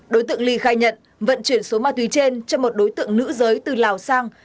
đối tượng ly khai nhận vận chuyển số ma túy trên cho một đối tượng nữ giới từ lào sang